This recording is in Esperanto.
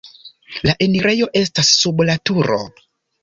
La enirejo estas sub la turo.